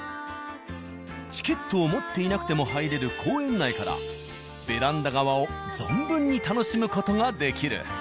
チケットを持っていなくても入れる公園内からベランダ側を存分に楽しむ事ができる。